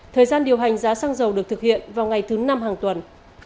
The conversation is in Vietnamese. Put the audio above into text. thời gian điều hành giá sang giàu được thực hiện vào ngày thứ năm hàng tuần